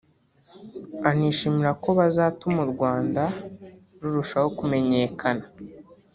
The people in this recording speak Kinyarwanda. anishimira ko bazatuma u Rwanda rurushaho kumenyekana